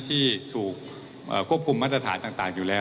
ที่ถูกควบคุมมาตรฐานต่างอยู่แล้ว